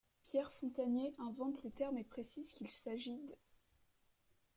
Pierre Fontanier invente le terme et précise qu'il s'agit d'.